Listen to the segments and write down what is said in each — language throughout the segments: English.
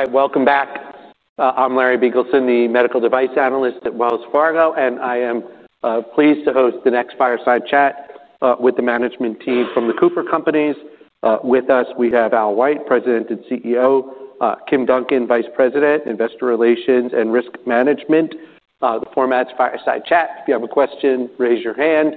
All right, welcome back. I'm Larry Biegelsen, the medical device analyst at Wells Fargo, and I am pleased to host the next fireside chat with the management team from the Cooper Companies. With us, we have Al White, President and CEO, Kim Duncan, Vice President, Investor Relations and Risk Management. The format's fireside chat. If you have a question, raise your hand,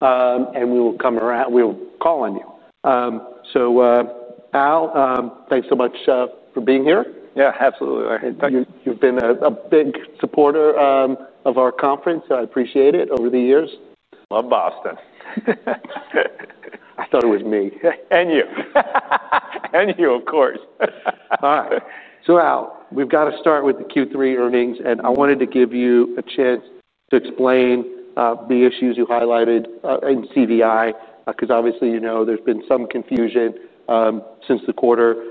and we will call on you. So, Al, thanks so much for being here. Yeah, absolutely. I thank you. You've been a big supporter of our conference. I appreciate it over the years. Love Boston. I thought it was me. And you. And you, of course. All right. So Al, we've got to start with the Q3 earnings, and I wanted to give you a chance to explain the issues you highlighted in CVI. Because obviously, you know, there's been some confusion since the quarter.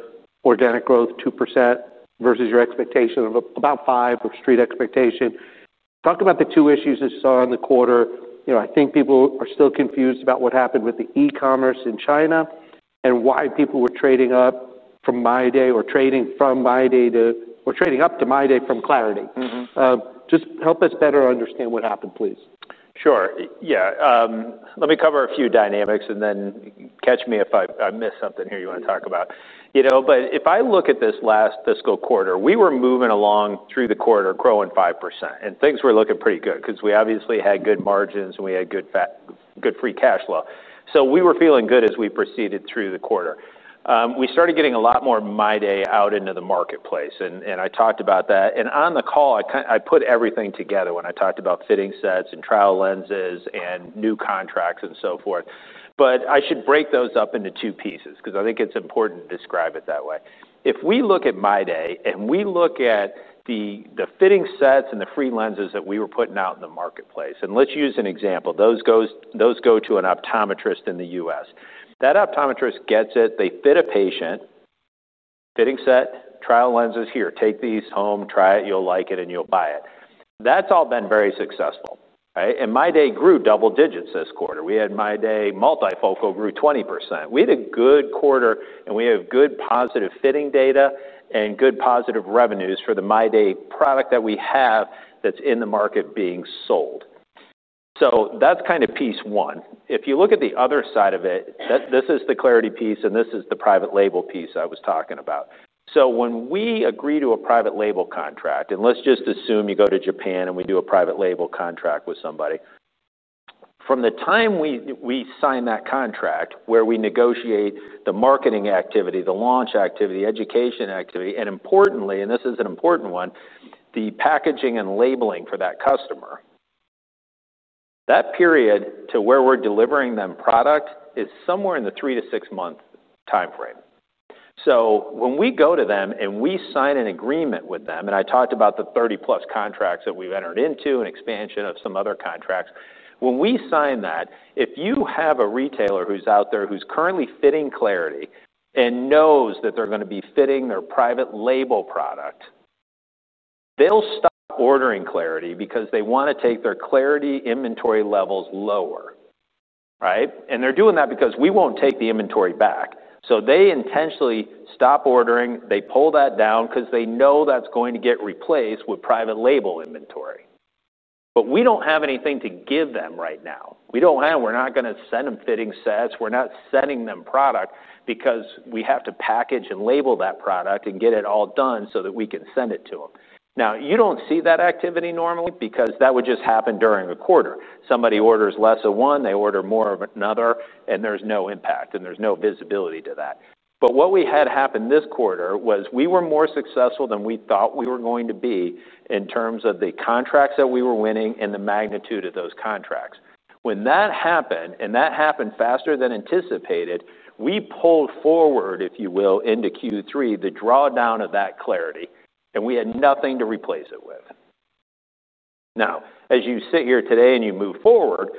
Organic growth 2% versus your expectation of about 5%, or Street expectation. Talk about the two issues that you saw in the quarter. You know, I think people are still confused about what happened with the e-commerce in China and why people were trading up from MyDay or trading up to MyDay from clariti. Mm-hmm. Just help us better understand what happened, please. Sure. Yeah, let me cover a few dynamics and then catch me if I miss something here you want to talk about. You know, but if I look at this last fiscal quarter, we were moving along through the quarter growing 5%, and things were looking pretty good because we obviously had good margins, and we had good free cash flow. So we were feeling good as we proceeded through the quarter. We started getting a lot more MyDay out into the marketplace, and I talked about that. And on the call, I put everything together when I talked about fitting sets and trial lenses and new contracts and so forth. But I should break those up into two pieces because I think it's important to describe it that way. If we look at MyDay, and we look at the fitting sets and the free lenses that we were putting out in the marketplace, and let's use an example. Those go to an optometrist in the U.S. That optometrist gets it, they fit a patient, fitting set, trial lenses, "Here, take these home, try it, you'll like it, and you'll buy it." That's all been very successful, right? MyDay grew double digits this quarter. We had MyDay multifocal grew 20%. We had a good quarter, and we have good positive fitting data and good positive revenues for the MyDay product that we have that's in the market being sold. So that's kind of piece one. If you look at the other side of it, this is the clariti piece, and this is the private label piece I was talking about. So when we agree to a private label contract, and let's just assume you go to Japan, and we do a private label contract with somebody. From the time we sign that contract, where we negotiate the marketing activity, the launch activity, education activity, and importantly, and this is an important one, the packaging and labeling for that customer, that period to where we're delivering them product is somewhere in the three- to six-month timeframe. So when we go to them, and we sign an agreement with them, and I talked about the 30 plus contracts that we've entered into and expansion of some other contracts. When we sign that, if you have a retailer who's out there who's currently fitting clariti and knows that they're going to be fitting their private label product, they'll stop ordering clariti because they want to take their clariti inventory levels lower, right? And they're doing that because we won't take the inventory back. So they intentionally stop ordering, they pull that down because they know that's going to get replaced with private label inventory. But we don't have anything to give them right now. We don't have... We're not going to send them fitting sets. We're not sending them product because we have to package and label that product and get it all done so that we can send it to them. Now, you don't see that activity normally because that would just happen during a quarter. Somebody orders less of one, they order more of another, and there's no impact, and there's no visibility to that. But what we had happen this quarter was we were more successful than we thought we were going to be in terms of the contracts that we were winning and the magnitude of those contracts. When that happened, and that happened faster than anticipated, we pulled forward, if you will, into Q3, the drawdown of that clariti, and we had nothing to replace it with. Now, as you sit here today and you move forward,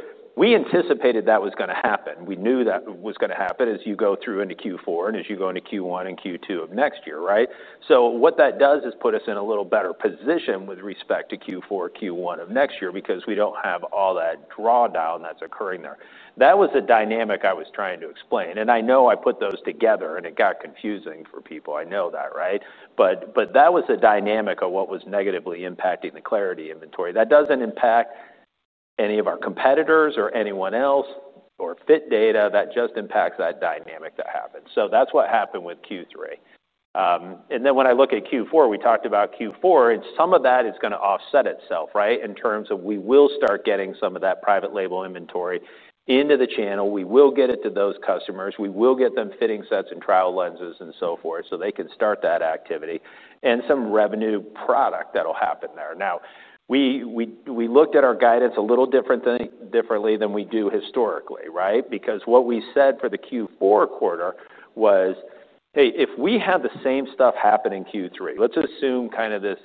we anticipated that was going to happen. We knew that was going to happen as you go through into Q4 and as you go into Q1 and Q2 of next year, right? So what that does is put us in a little better position with respect to Q4, Q1 of next year because we don't have all that drawdown that's occurring there. That was the dynamic I was trying to explain, and I know I put those together, and it got confusing for people. I know that, right? But, but that was the dynamic of what was negatively impacting the clariti inventory. That doesn't impact any of our competitors or anyone else or fit data. That just impacts that dynamic that happened. So that's what happened with Q3, and then when I look at Q4, we talked about Q4, and some of that is going to offset itself, right? In terms of we will start getting some of that private label inventory into the channel. We will get it to those customers. We will get them fitting sets and trial lenses and so forth, so they can start that activity and some revenue product that'll happen there. Now, we looked at our guidance a little differently than we do historically, right? Because what we said for the Q4 quarter was, "Hey, if we have the same stuff happen in Q3," let's assume kind of this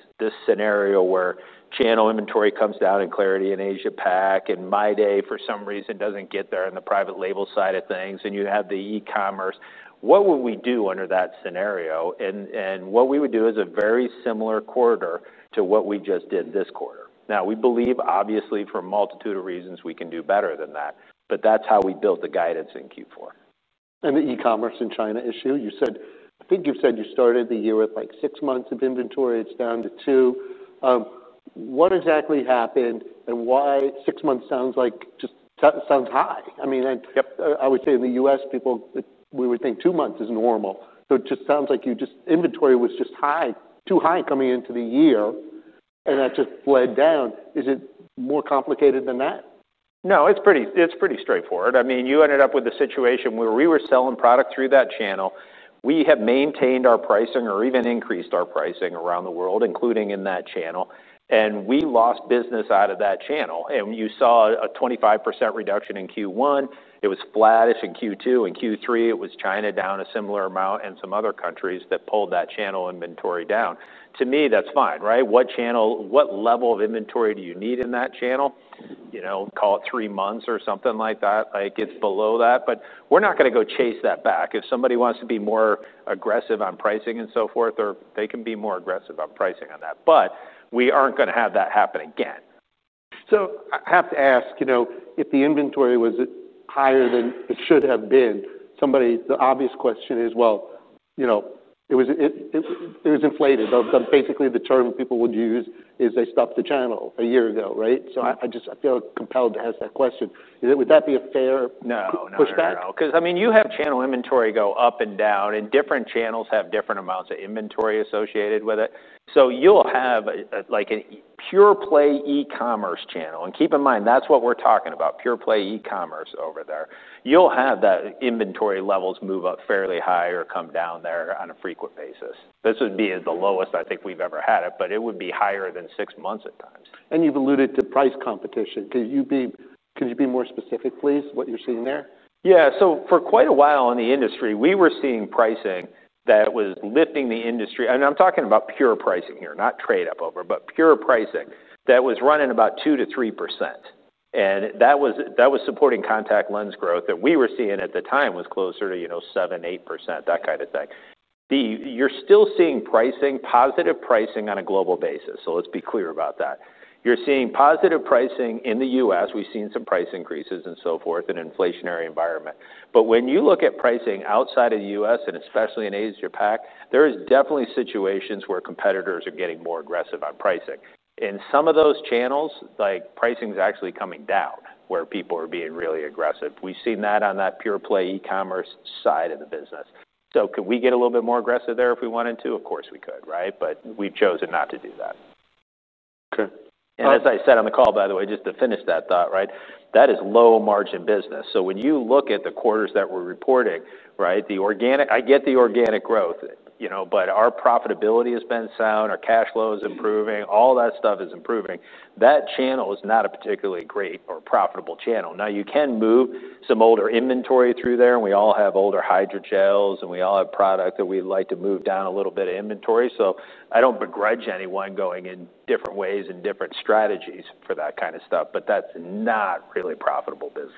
scenario where channel inventory comes down in clariti in Asia Pac, and MyDay, for some reason, doesn't get there in the private label side of things, and you have the e-commerce. What would we do under that scenario? And what we would do is a very similar quarter to what we just did this quarter. Now, we believe, obviously, for a multitude of reasons, we can do better than that, but that's how we built the guidance in Q4. And the e-commerce in China issue, you said, I think you said you started the year with, like, six months of inventory. It's down to two. What exactly happened and why? Six months sounds high. I mean I would say in the U.S., people, we would think two months is normal. So it just sounds like inventory was just high, too high coming into the year, and that just bled down. Is it more complicated than that? No, it's pretty, it's pretty straightforward. I mean, you ended up with a situation where we were selling product through that channel. We had maintained our pricing or even increased our pricing around the world, including in that channel, and we lost business out of that channel, and you saw a 25% reduction in Q1. It was flattish in Q2. In Q3, it was China down a similar amount, and some other countries that pulled that channel inventory down. To me, that's fine, right? What level of inventory do you need in that channel? You know, call it three months or something like that, like, it's below that, but we're not gonna go chase that back. If somebody wants to be more aggressive on pricing and so forth, or they can be more aggressive on pricing on that, but we aren't gonna have that happen again. So I have to ask, you know, if the inventory was higher than it should have been, somebody—the obvious question is, well, you know, it was inflated. Those are basically the term people would use, is they stopped the channel a year ago, right? So I just feel compelled to ask that question. Is it would that be a fair, No. Pushback? No. Because, I mean, you have channel inventory go up and down, and different channels have different amounts of inventory associated with it, so you'll have, like, a pure play e-commerce channel, and keep in mind, that's what we're talking about, pure play e-commerce over there. You'll have that inventory levels move up fairly high or come down there on a frequent basis. This would be the lowest I think we've ever had it, but it would be higher than six months at times. You've alluded to price competition. Could you be more specific, please, what you're seeing there? Yeah. So for quite a while in the industry, we were seeing pricing that was lifting the industry. And I'm talking about pure pricing here, not trade up over, but pure pricing that was running about 2-3%, and that was supporting contact lens growth that we were seeing at the time was closer to, you know, 7-8%, that kind of thing. You're still seeing pricing, positive pricing on a global basis, so let's be clear about that. You're seeing positive pricing in the U.S. We've seen some price increases and so forth in an inflationary environment. But when you look at pricing outside of the U.S., and especially in Asia Pac, there is definitely situations where competitors are getting more aggressive on pricing. In some of those channels, like, pricing is actually coming down, where people are being really aggressive. We've seen that on that pure play e-commerce side of the business. So could we get a little bit more aggressive there if we wanted to? Of course, we could, right? But we've chosen not to do that. Okay. As I said on the call, by the way, just to finish that thought, right? That is low-margin business. So when you look at the quarters that we're reporting, right, the organic... I get the organic growth, you know, but our profitability has been sound, our cash flow is improving, all that stuff is improving. That channel is not a particularly great or profitable channel. Now, you can move some older inventory through there, and we all have older hydrogels, and we all have product that we'd like to move down a little bit of inventory. So I don't begrudge anyone going in different ways and different strategies for that kind of stuff, but that's not really profitable business.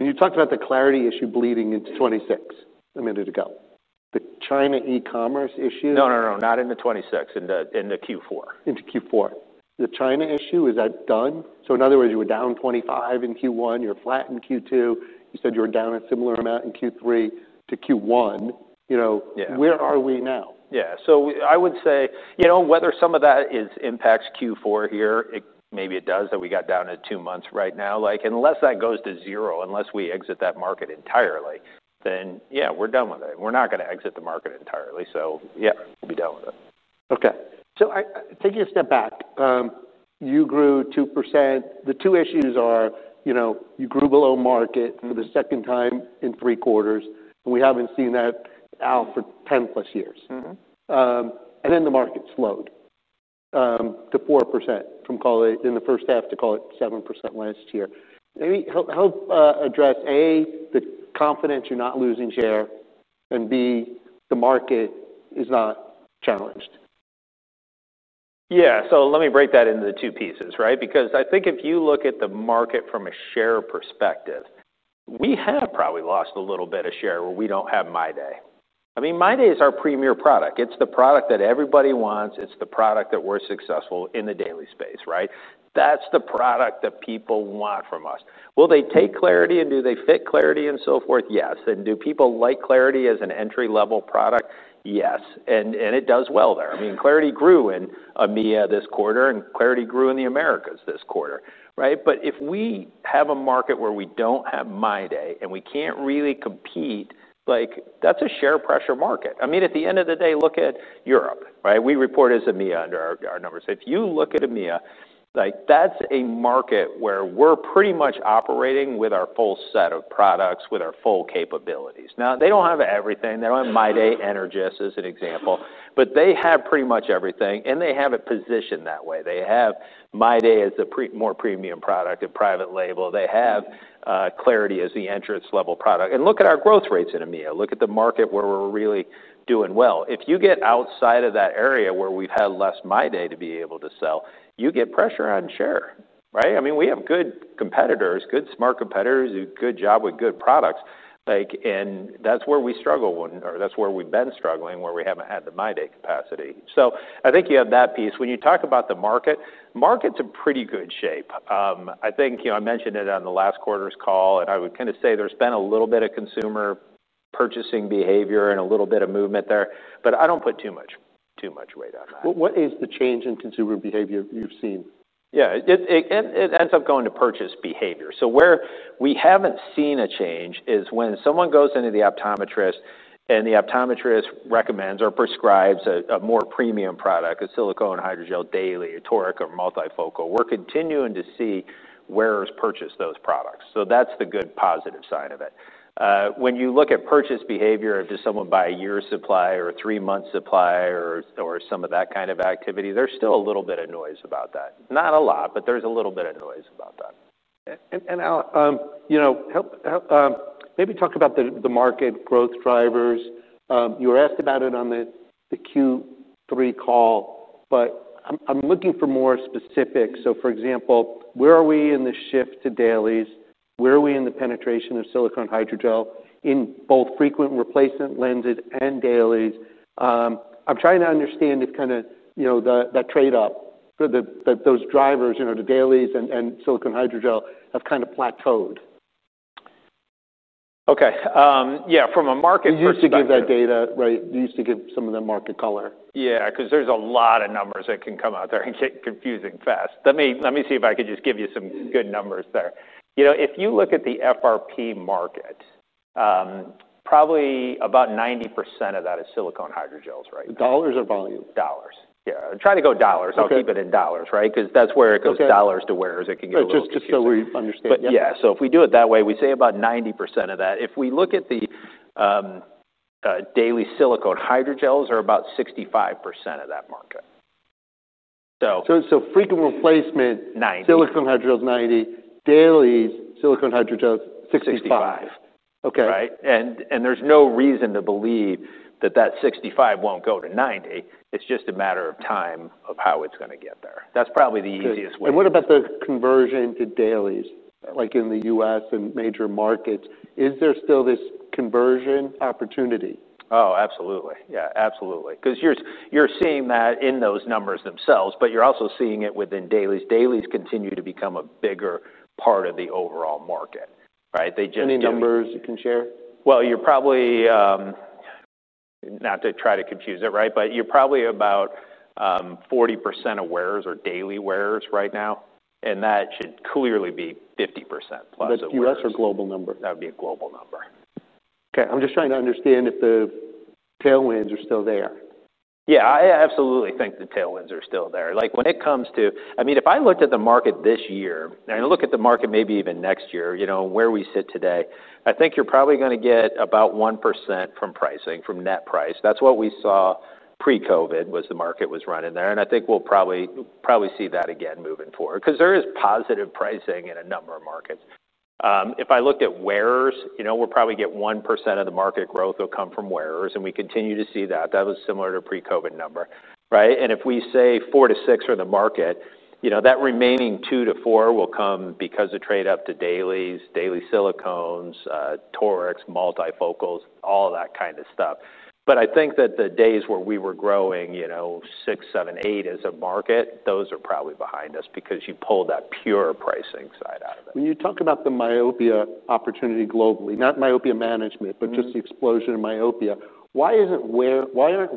And you talked about the clariti issue bleeding into 2026 a minute ago. The China e-commerce issue. No, no, no, not in the 2026, in the Q4. Into Q4? The China issue, is that done? So in other words, you were down 25% in Q1, you're flat in Q2. You said you were down a similar amount in Q3 to Q1. You know. Yeah. Where are we now? Yeah. So I would say, you know, whether some of that is impacts Q4 here, maybe it does, that we got down to two months right now. Like, unless that goes to zero, unless we exit that market entirely, then yeah, we're done with it. We're not gonna exit the market entirely, so yeah, we'll be done with it. Okay. So, taking a step back, you grew 2%. The two issues are: you know, you grew below market for the second time in three quarters, and we haven't seen that Al, for 10-plus years. Mm-hmm. And then the market slowed to 4% from call it in the first half to call it 7% last year. Let me help address A, the confidence you're not losing share, and B, the market is not challenged. Yeah. So let me break that into two pieces, right? Because I think if you look at the market from a share perspective, we have probably lost a little bit of share where we don't have MyDay. I mean, MyDay is our premier product. It's the product that everybody wants. It's the product that we're successful in the daily space, right? That's the product that people want from us. Will they take clariti and do they fit clariti and so forth? Yes. And do people like clariti as an entry-level product? Yes, and, and it does well there. I mean, clariti grew in EMEA this quarter, and clariti grew in the Americas this quarter, right? But if we have a market where we don't have MyDay, and we can't really compete, like, that's a share pressure market. I mean, at the end of the day, look at Europe, right? We report as EMEA under our numbers. If you look at EMEA, like, that's a market where we're pretty much operating with our full set of products, with our full capabilities. Now, they don't have everything. They don't have MyDay Energys, as an example, but they have pretty much everything, and they have it positioned that way. They have MyDay as a more premium product and private label. They have clariti as the entrance-level product, and look at our growth rates in EMEA. Look at the market where we're really doing well. If you get outside of that area where we've had less MyDay to be able to sell, you get pressure on share, right? I mean, we have good competitors, good smart competitors, who do a good job with good products. Like, and that's where we struggle or that's where we've been struggling, where we haven't had the MyDay capacity. So I think you have that piece. When you talk about the market, market's in pretty good shape. I think, you know, I mentioned it on the last quarter's call, and I would kind of say there's been a little bit of consumer purchasing behavior and a little bit of movement there, but I don't put too much, too much weight on that. What is the change in consumer behavior you've seen? Yeah, and it ends up going to purchase behavior. So where we haven't seen a change is when someone goes into the optometrist, and the optometrist recommends or prescribes a more premium product, a silicone hydrogel daily, a toric or multifocal. We're continuing to see wearers purchase those products, so that's the good positive side of it. When you look at purchase behavior, does someone buy a year's supply or a three-month supply or some of that kind of activity, there's still a little bit of noise about that. Not a lot, but there's a little bit of noise about that. Al, you know, help maybe talk about the market growth drivers. You were asked about it on the Q3 call, but I'm looking for more specifics. So, for example, where are we in the shift to dailies? Where are we in the penetration of silicone hydrogel in both frequent replacement lenses and dailies? I'm trying to understand the kind of, you know, that trade-off for the... That those drivers, you know, the dailies and silicone hydrogel have kind of plateaued. Okay, yeah, from a market perspective. You used to give that data, right? You used to give some of the market color. Yeah, 'cause there's a lot of numbers that can come out there and get confusing fast. Let me, let me see if I can just give you some good numbers there. You know, if you look at the FRP market, probably about 90% of that is silicone hydrogels, right? Dollars or volume? Dollars. Yeah, try to go dollars. Okay. I'll keep it in dollars, right? 'Cause that's where it goes dollars to where it can get a little. Just, just so we understand. Yeah, so if we do it that way, we say about 90% of that. If we look at the daily silicone hydrogels are about 65% of that market, so So frequent replacement. Ninety. Silicone hydrogels, 90. Dailies silicone hydrogels, 65. Sixty-five. Okay. Right? And there's no reason to believe that that 65 won't go to 90. It's just a matter of time of how it's gonna get there. That's probably the easiest way. Good. And what about the conversion to dailies, like in the U.S. and major markets? Is there still this conversion opportunity? Oh, absolutely. Yeah, absolutely, 'cause you're, you're seeing that in those numbers themselves, but you're also seeing it within dailies. Dailies continue to become a bigger part of the overall market, right? They just do. Any numbers you can share? You're probably not to try to confuse it, right? But you're probably about 40% of wearers are daily wearers right now, and that should clearly be 50% plus of wearers. Is that U.S. or global number? That would be a global number. Okay, I'm just trying to understand if the tailwinds are still there. Yeah, I absolutely think the tailwinds are still there. Like, when it comes to... I mean, if I looked at the market this year, and I look at the market maybe even next year, you know, where we sit today, I think you're probably gonna get about 1% from pricing, from net price. That's what we saw pre-COVID, was the market was right in there, and I think we'll probably see that again moving forward 'cause there is positive pricing in a number of markets. If I looked at wearers, you know, we'll probably get 1% of the market growth will come from wearers, and we continue to see that. That was similar to pre-COVID number, right? If we say four to six are the market, you know, that remaining two to four will come because of trade-up to dailies, daily silicones, torics, multifocals, all that kind of stuff. I think that the days where we were growing, you know, six, seven, eight as a market, those are probably behind us because you pull that pure pricing side out of it. When you talk about the myopia opportunity globally, not myopia management but just the explosion in myopia, why aren't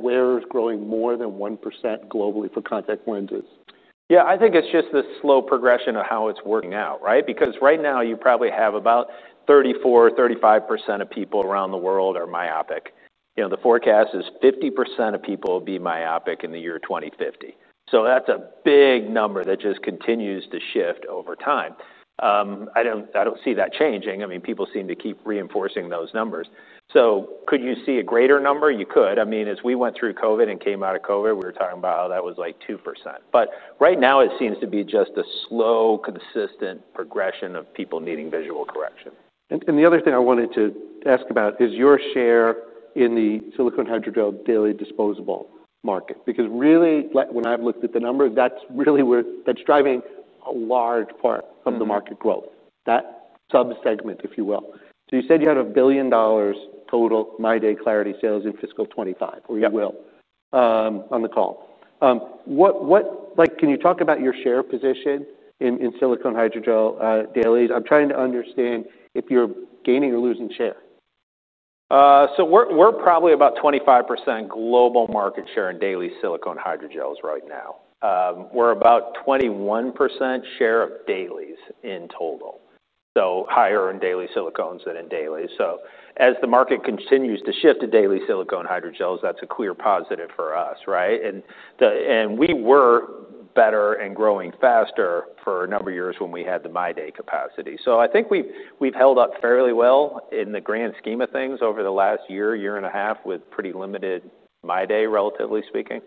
wearers growing more than 1% globally for contact lenses? Yeah, I think it's just the slow progression of how it's working out, right? Because right now, you probably have about 34-35% of people around the world are myopic. You know, the forecast is 50% of people will be myopic in the year 2050. So that's a big number that just continues to shift over time. I don't see that changing. I mean, people seem to keep reinforcing those numbers. So could you see a greater number? You could. I mean, as we went through COVID and came out of COVID, we were talking about how that was, like, 2%. But right now, it seems to be just a slow, consistent progression of people needing visual correction. The other thing I wanted to ask about is your share in the silicone hydrogel daily disposable market. Because really, like, when I've looked at the numbers, that's really where that's driving a large part of the market growth, that subsegment, if you will. So you said you had $1 billion total MyDay clariti sales in fiscal 2025. Yep. Or you will, on the call. Like, can you talk about your share position in silicone hydrogel dailies? I'm trying to understand if you're gaining or losing share. So we're probably about 25% global market share in daily silicone hydrogels right now. We're about 21% share of dailies in total, so higher in daily silicones than in dailies. So as the market continues to shift to daily silicone hydrogels, that's a clear positive for us, right? And the and we were better and growing faster for a number of years when we had the MyDay capacity. So I think we've held up fairly well in the grand scheme of things over the last year and a half, with pretty limited MyDay, relatively speaking.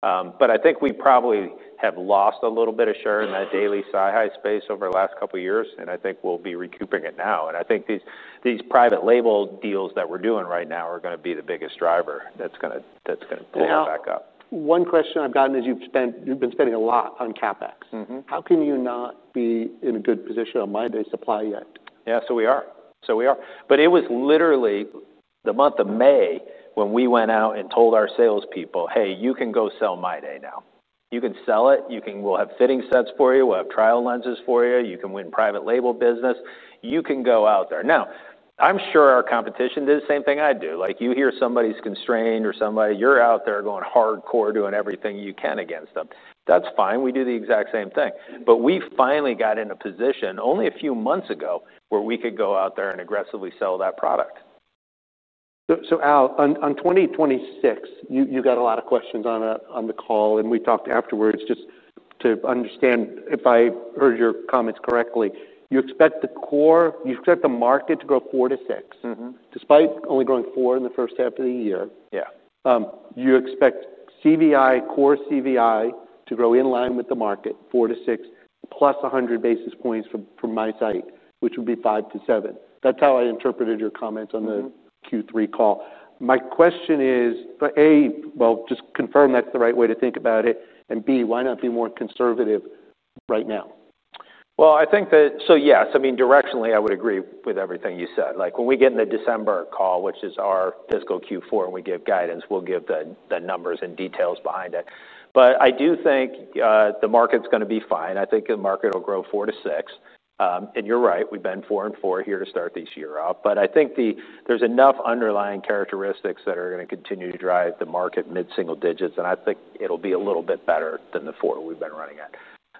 But I think we probably have lost a little bit of share in that daily SiHi space over the last couple of years, and I think we'll be recouping it now. I think these private label deals that we're doing right now are gonna be the biggest driver that's gonna pull it back up. Al, one question I've gotten is you've been spending a lot on CapEx. Mm-hmm. How can you not be in a good position on MyDay supply yet? Yeah, so we are. So we are. But it was literally the month of May when we went out and told our salespeople, "Hey, you can go sell MyDay now." You can sell it. You can- we'll have fitting sets for you. We'll have trial lenses for you. You can win private label business. You can go out there. Now, I'm sure our competition does the same thing I do. Like, you hear somebody's constrained or somebody, you're out there going hardcore, doing everything you can against them. That's fine. We do the exact same thing, but we finally got in a position only a few months ago, where we could go out there and aggressively sell that product. So, Al, on 2026, you got a lot of questions on the call, and we talked afterwards. Just to understand, if I heard your comments correctly, you expect the core, you expect the market to grow four to six? Mm-hmm. Despite only growing 4% in the first half of the year? Yeah. You expect CVI, core CVI, to grow in line with the market, four to six, plus 100 basis points from MiSight, which would be five to seven. That's how I interpreted your comments on the Q3 call. My question is, A, well, just confirm that's the right way to think about it, and B, why not be more conservative right now? I think that, so yes, I mean, directionally, I would agree with everything you said. Like, when we get in the December call, which is our fiscal Q4, and we give guidance, we'll give the numbers and details behind it. But I do think the market's gonna be fine. I think the market will grow four to six. And you're right, we've been four and four here to start this year out, but I think there's enough underlying characteristics that are gonna continue to drive the market mid-single digits, and I think it'll be a little bit better than the four we've been running at.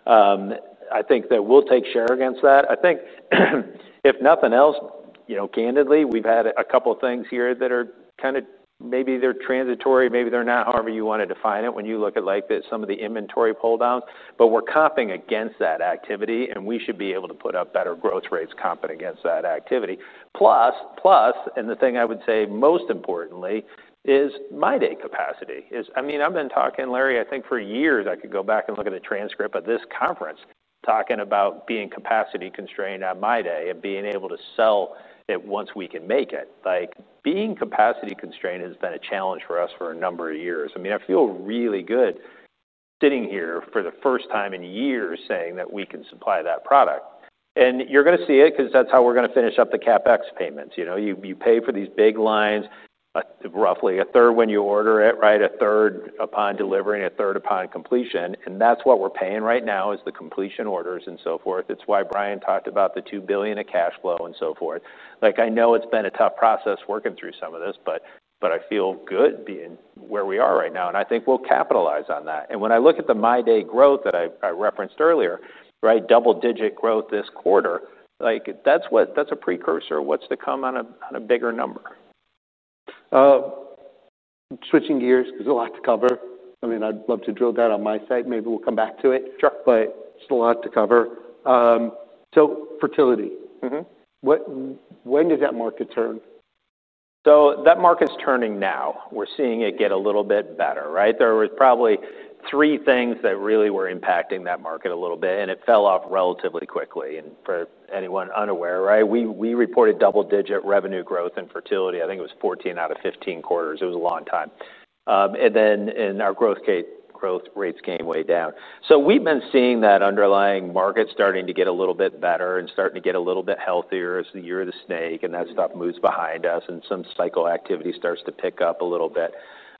I think that we'll take share against that. I think, if nothing else, you know, candidly, we've had a couple of things here that are kind of maybe they're transitory, maybe they're not, however you want to define it, when you look at like the, some of the inventory pull-downs, but we're comping against that activity, and we should be able to put up better growth rates comping against that activity. Plus, and the thing I would say, most importantly, is MyDay capacity. Is. I mean, I've been talking, Larry, I think for years, I could go back and look at the transcript of this conference, talking about being capacity constrained on MyDay and being able to sell it once we can make it. Like, being capacity constrained has been a challenge for us for a number of years. I mean, I feel really good sitting here for the first time in years saying that we can supply that product. And you're gonna see it because that's how we're gonna finish up the CapEx payments. You know, you pay for these big lines, roughly a third when you order it, right? A third upon delivery and a third upon completion, and that's what we're paying right now, is the completion orders and so forth. It's why Brian talked about the $2 billion in cash flow and so forth. Like, I know it's been a tough process working through some of this, but I feel good being where we are right now, and I think we'll capitalize on that. And when I look at the MiSight growth that I referenced earlier, right, double-digit growth this quarter, like, that's what-- that's a precursor. What's to come on a bigger number? Switching gears, because there's a lot to cover. I mean, I'd love to drill down on MiSight. Maybe we'll come back to it. Sure. But there's a lot to cover, so fertility. Mm-hmm. When does that market turn? So that market's turning now. We're seeing it get a little bit better, right? There was probably three things that really were impacting that market a little bit, and it fell off relatively quickly, and for anyone unaware, right, we reported double-digit revenue growth in fertility. I think it was fourteen out of fifteen quarters. It was a long time, and then our growth rates came way down, so we've been seeing that underlying market starting to get a little bit better and starting to get a little bit healthier as the Year of the Snakeand that stuff moves behind us, and some cycle activity starts to pick up a little bit,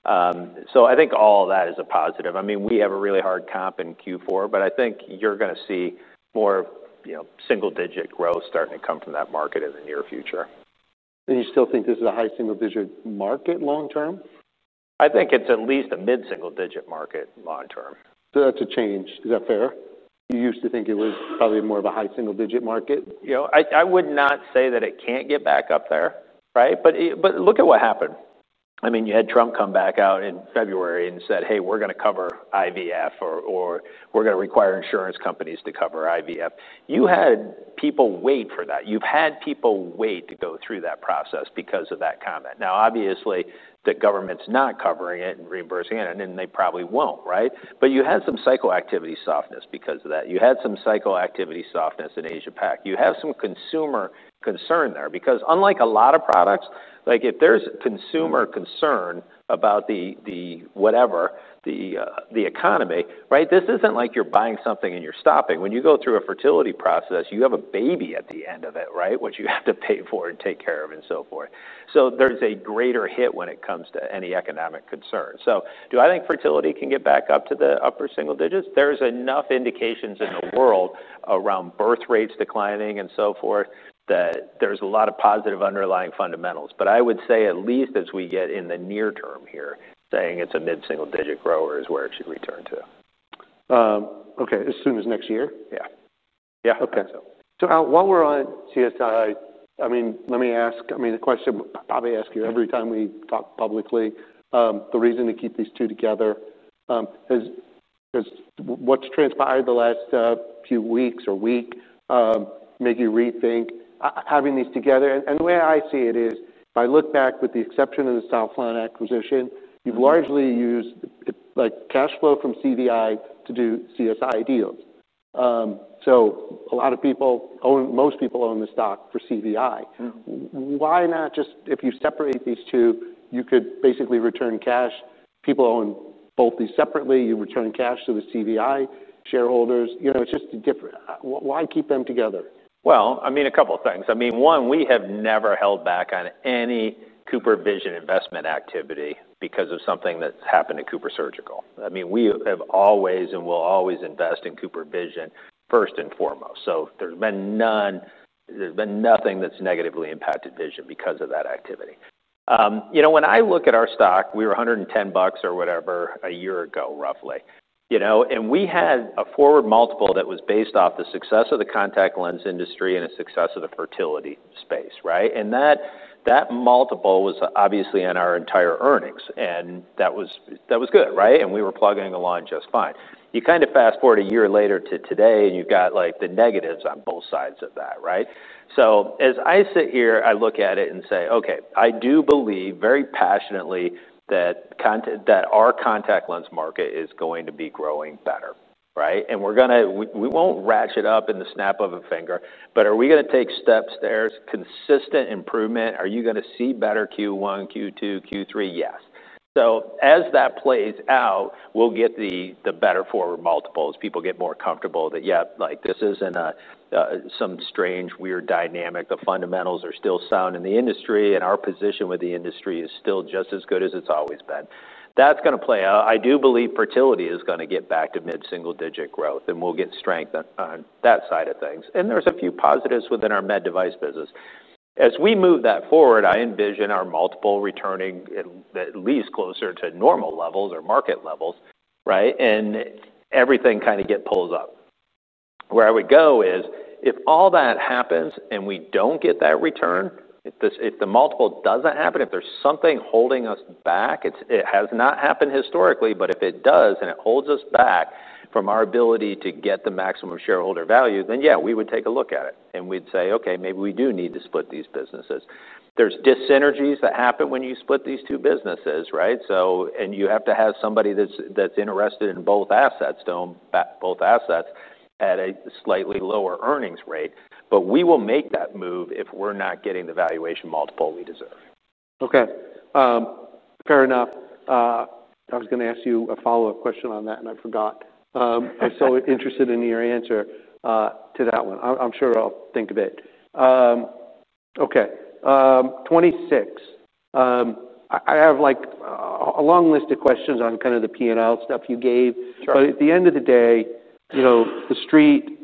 so I think all of that is a positive. I mean, we have a really hard comp in Q4, but I think you're gonna see more, you know, single-digit growth starting to come from that market in the near future. You still think this is a high single-digit market long term? I think it's at least a mid-single-digit market, long term. So that's a change. Is that fair? You used to think it was probably more of a high single-digit market. You know, I would not say that it can't get back up there, right? But look at what happened. I mean, you had Trump come back out in February and said: "Hey, we're gonna cover IVF, or we're gonna require insurance companies to cover IVF." You had people wait for that. You've had people wait to go through that process because of that comment. Now, obviously, the government's not covering it and reimbursing it, and they probably won't, right? But you had some cycle activity softness because of that. You had some cycle activity softness in Asia Pac. You have some consumer concern there, because unlike a lot of products, like if there's consumer concern about the whatever, the economy, right, this isn't like you're buying something and you're stopping. When you go through a fertility process, you have a baby at the end of it, right? Which you have to pay for and take care of and so forth. So there's a greater hit when it comes to any economic concern. So do I think fertility can get back up to the upper single digits? There's enough indications in the world around birth rates declining and so forth, that there's a lot of positive underlying fundamentals. But I would say, at least as we get in the near term here, saying it's a mid-single-digit grower is where it should return to. Okay, as soon as next year? Yeah. Yeah. Okay. So Al, while we're on CSI, I mean, let me ask, I mean, the question I probably ask you every time we talk publicly, the reason to keep these two together, has what's transpired the last few weeks or week make you rethink having these together? And the way I see it is, if I look back, with the exception of the Sauflon acquisition, you've largely used, like, cash flow from CVI to do CSI deals. So a lot of people own, most people own the stock for CVI. Mm-hmm. Why not just, if you separate these two, you could basically return cash?... people own both these separately, you return cash to the CVI shareholders. You know, it's just different. Why keep them together? I mean, a couple of things. I mean, one, we have never held back on any CooperVision investment activity because of something that's happened to CooperSurgical. I mean, we have always and will always invest in CooperVision first and foremost. So there's been nothing that's negatively impacted Vision because of that activity. You know, when I look at our stock, we were $110 or whatever a year ago, roughly, you know, and we had a forward multiple that was based off the success of the contact lens industry and the success of the fertility space, right? And that multiple was obviously in our entire earnings, and that was good, right? And we were plugging along just fine. You kind of fast-forward a year later to today, and you've got, like, the negatives on both sides of that, right? So as I sit here, I look at it and say, "Okay, I do believe very passionately that our contact lens market is going to be growing better," right? And we're gonna we won't ratchet up in the snap of a finger, but are we gonna take steps there as consistent improvement? Are you gonna see better Q1, Q2, Q3? Yes. So as that plays out, we'll get the better forward multiples. People get more comfortable that, yeah, like, this isn't a some strange, weird dynamic. The fundamentals are still sound in the industry, and our position with the industry is still just as good as it's always been. That's gonna play out. I do believe fertility is gonna get back to mid-single-digit growth, and we'll get strength on that side of things, and there's a few positives within our med device business. As we move that forward, I envision our multiple returning at least closer to normal levels or market levels, right? And everything kinda get pulls up. Where I would go is, if all that happens, and we don't get that return, if this, if the multiple doesn't happen, if there's something holding us back, it has not happened historically, but if it does, and it holds us back from our ability to get the maximum shareholder value, then, yeah, we would take a look at it, and we'd say, "Okay, maybe we do need to split these businesses." There's dyssynergies that happen when you split these two businesses, right? So you have to have somebody that's interested in both assets, to own both assets at a slightly lower earnings rate. We will make that move if we're not getting the valuation multiple we deserve. Okay, fair enough. I was gonna ask you a follow-up question on that, and I forgot. I'm so interested in your answer to that one. I'm sure I'll think of it. Okay, twenty-six, I have, like, a long list of questions on kind of the P&L stuff you gave. But at the end of the day, you know, the Street,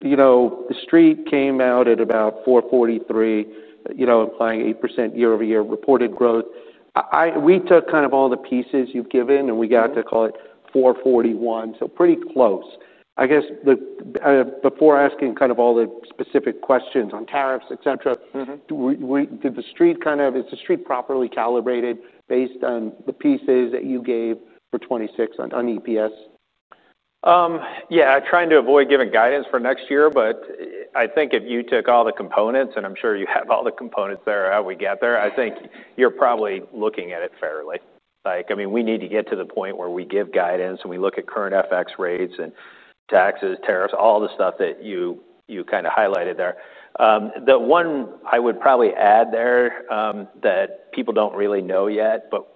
you know, the Street came out at about $4.43, you know, implying 8% year-over-year reported growth. We took kind of all the pieces you've given, and we got to call it four forty-one, so pretty close. I guess before asking kind of all the specific questions on tariffs, et cetera Mm-hmm Did the Street kind of, is the Street properly calibrated based on the pieces that you gave for twenty-six on EPS? Yeah, trying to avoid giving guidance for next year, but I think if you took all the components, and I'm sure you have all the components there, how we get there, I think you're probably looking at it fairly. Like, I mean, we need to get to the point where we give guidance, and we look at current FX rates and taxes, tariffs, all the stuff that you, you kinda highlighted there. The one I would probably add there, that people don't really know yet, but,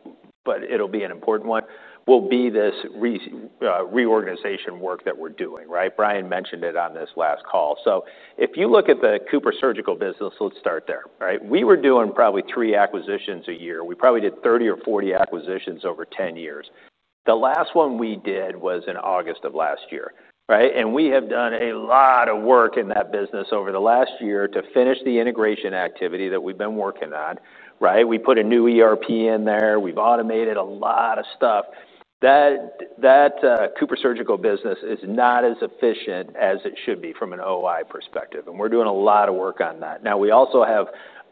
but it'll be an important one, will be this reorganization work that we're doing, right? Brian mentioned it on this last call. So if you look at the CooperSurgical business, let's start there, right? We were doing probably three acquisitions a year. We probably did 30 or 40 acquisitions over 10 years. The last one we did was in August of last year, right? And we have done a lot of work in that business over the last year to finish the integration activity that we've been working on, right? We put a new ERP in there. We've automated a lot of stuff. That CooperSurgical business is not as efficient as it should be from an OI perspective, and we're doing a lot of work on that. Now, we also have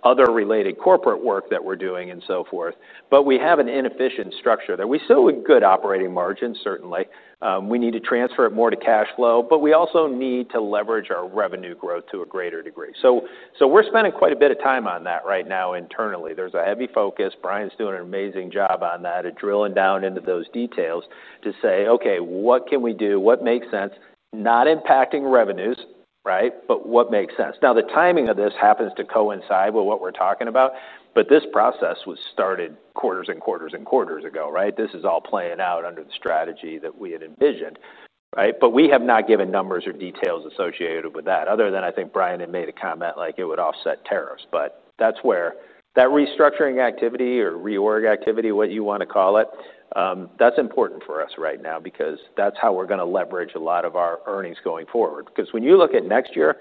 other related corporate work that we're doing and so forth, but we have an inefficient structure there. We still have good operating margins, certainly. We need to transfer it more to cash flow, but we also need to leverage our revenue growth to a greater degree. So, we're spending quite a bit of time on that right now internally. There's a heavy focus. Brian's doing an amazing job on that, at drilling down into those details to say, "Okay, what can we do? What makes sense?" Not impacting revenues, right? But what makes sense. Now, the timing of this happens to coincide with what we're talking about, but this process was started quarters and quarters and quarters ago, right? This is all playing out under the strategy that we had envisioned, right? But we have not given numbers or details associated with that, other than, I think, Brian had made a comment like it would offset tariffs. But that's where that restructuring activity or reorg activity, what you wanna call it, that's important for us right now because that's how we're gonna leverage a lot of our earnings going forward. Because when you look at next year,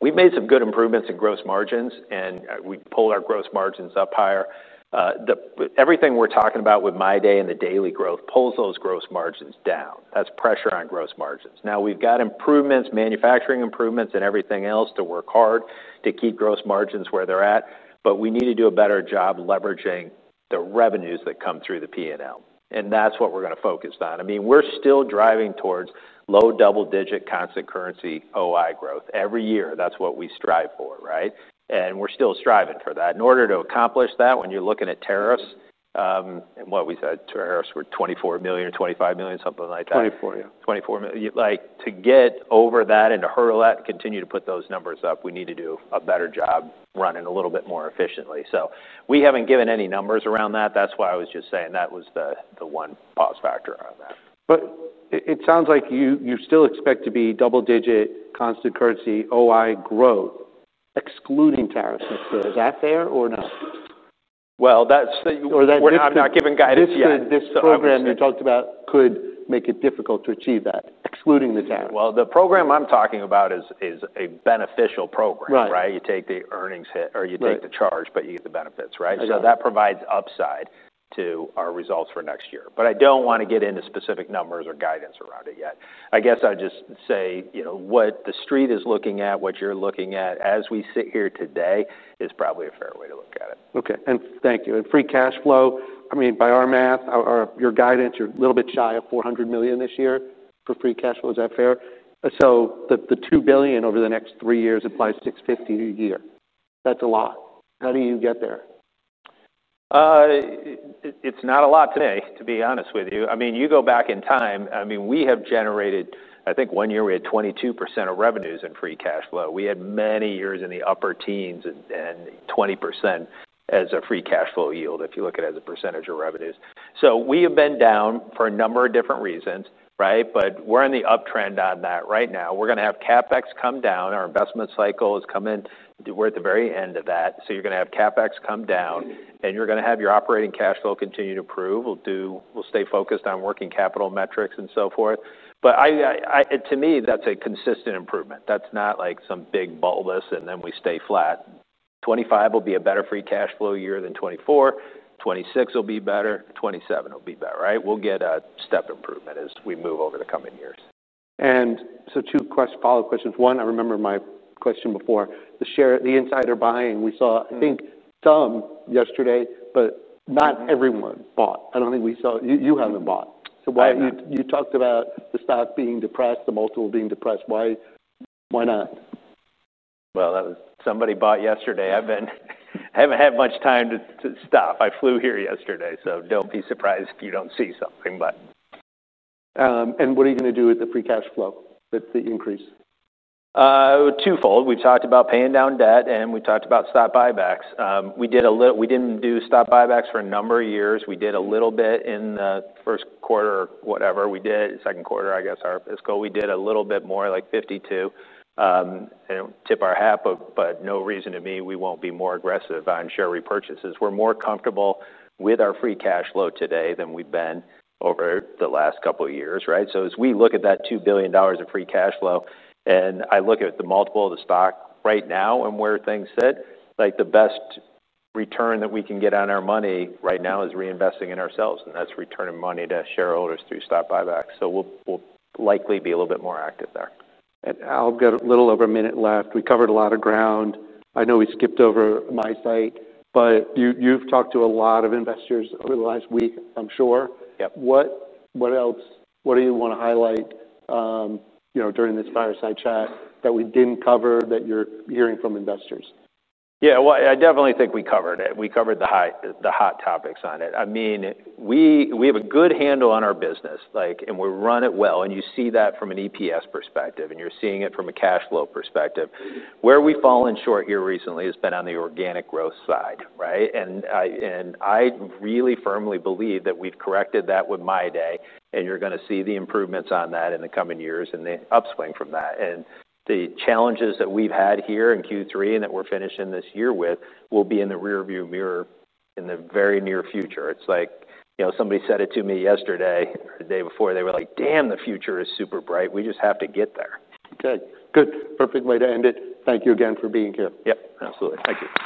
we've made some good improvements in gross margins, and we pulled our gross margins up higher. Everything we're talking about with MyDay and the daily growth pulls those gross margins down. That's pressure on gross margins. Now, we've got improvements, manufacturing improvements and everything else to work hard to keep gross margins where they're at, but we need to do a better job leveraging the revenues that come through the P&L, and that's what we're gonna focus on. I mean, we're still driving towards low double-digit constant currency OI growth. Every year, that's what we strive for, right? And we're still striving for that. In order to accomplish that, when you're looking at tariffs, and what we said tariffs were $24 million or $25 million, something like that. 24, yeah. $24 million. Like, to get over that and to hurdle that and continue to put those numbers up, we need to do a better job running a little bit more efficiently. So we haven't given any numbers around that. That's why I was just saying that was the one pause factor on that. But it sounds like you still expect to be double-digit constant currency OI growth, excluding tariffs. Is that fair or no? Well, we're not. I'm not giving guidance yet. This program you talked about could make it difficult to achieve that, excluding the tax? The program I'm talking about is a beneficial program. Right. Right? You take the earnings hit Right. or you take the charge, but you get the benefits, right? Exactly. So that provides upside to our results for next year. But I don't want to get into specific numbers or guidance around it yet. I guess I'd just say, you know, what the street is looking at, what you're looking at as we sit here today, is probably a fair way to look at it. Okay. And thank you. And free cash flow, I mean, by our math, your guidance, you're a little bit shy of $400 million this year for free cash flow. Is that fair? So the $2 billion over the next three years implies $650 million a year. That's a lot. How do you get there? It's not a lot today, to be honest with you. I mean, you go back in time, I mean, we have generated. I think one year we had 22% of revenues in free cash flow. We had many years in the upper teens and 20% as a free cash flow yield, if you look at it as a percentage of revenues. So we have been down for a number of different reasons, right? But we're in the uptrend on that right now. We're gonna have CapEx come down, our investment cycle has come in. We're at the very end of that, so you're gonna have CapEx come down, and you're gonna have your operating cash flow continue to improve. We'll do. We'll stay focused on working capital metrics and so forth. But to me, that's a consistent improvement. That's not like some big bulbous, and then we stay flat. 2025 will be a better free cash flow year than 2024, 2026 will be better, 2027 will be better, right? We'll get a step improvement as we move over the coming years. Two follow-up questions. One, I remember my question before, the shares, the insider buying. We saw, I think, some yesterday, but not everyone bought. I don't think we saw you. You haven't bought. I have not. So why... You talked about the stock being depressed, the multiple being depressed. Why, why not? Well, somebody bought yesterday. I haven't had much time to stop. I flew here yesterday, so don't be surprised if you don't see something, but. And what are you gonna do with the free cash flow, with the increase? Twofold. We've talked about paying down debt, and we talked about stock buybacks. We didn't do stock buybacks for a number of years. We did a little bit in the first quarter or whatever we did, second quarter, I guess, our fiscal. We did a little bit more, like 52, and tip our hat, but no reason to me, we won't be more aggressive on share repurchases. We're more comfortable with our free cash flow today than we've been over the last couple of years, right? So as we look at that $2 billion of free cash flow, and I look at the multiple of the stock right now and where things sit, like, the best return that we can get on our money right now is reinvesting in ourselves, and that's returning money to shareholders through stock buybacks. So we'll likely be a little bit more active there. Al, I've got a little over a minute left. We covered a lot of ground. I know we skipped over MiSight, but you, you've talked to a lot of investors over the last week, I'm sure. Yep. What else, what do you wanna highlight, you know, during this fireside chat that we didn't cover, that you're hearing from investors? Yeah, well, I definitely think we covered it. We covered the high, the hot topics on it. I mean, we have a good handle on our business, like, and we run it well, and you see that from an EPS perspective, and you're seeing it from a cash flow perspective. Where we've fallen short here recently has been on the organic growth side, right? And I really firmly believe that we've corrected that with MyDay, and you're gonna see the improvements on that in the coming years and the upswing from that. And the challenges that we've had here in Q3 and that we're finishing this year with, will be in the rearview mirror in the very near future. It's like, you know, somebody said it to me yesterday, or the day before, they were like: "Damn, the future is super bright. We just have to get there. Good. Good. Perfect way to end it. Thank you again for being here. Yep, absolutely. Thank you.